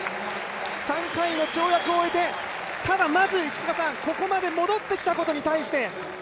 ３回の跳躍を終えて、ただまず石塚さん、ここまで戻ってきたことに対して。